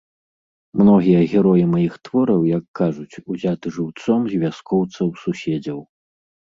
Многія героі маіх твораў, як кажуць, узяты жыўцом з вяскоўцаў-суседзяў.